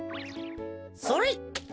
それ！